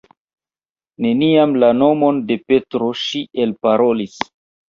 Neniam la nomon de Petro ŝi elparolis.